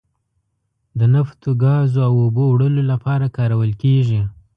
د نفتو، ګازو او اوبو وړلو لپاره کارول کیږي.